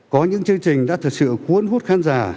có những chương trình đã thực sự cuốn hút khán giả